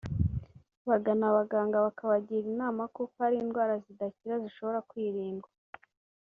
bagana abaganga bakabagira inama kuko hari indwara zidakira zishobora kwirindwa